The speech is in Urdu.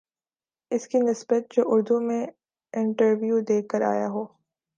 اس کی نسبت جو اردو میں انٹرویو دے کر آ یا ہو